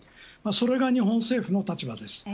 それが日本政府の立場です。